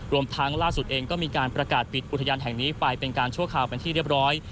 รวมทั้งล่าสุดเองก็มีการประกาศปิดอุทยานแห่งนี้ไปเป็นการชั่วคราวเป็นที่เรียบร้อย